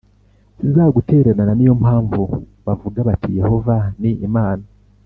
sinzagutererana ni yo mpamvu bavuga bati Yehova ni imana